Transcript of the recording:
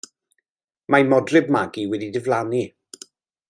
Mae Modryb Magi wedi diflannu!